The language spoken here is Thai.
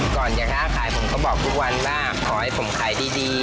ก่อนจะค้าขายผมก็บอกทุกวันว่าขอให้ผมขายดี